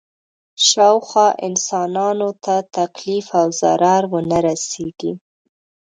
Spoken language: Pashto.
شاوخوا انسانانو ته تکلیف او ضرر ونه رسېږي.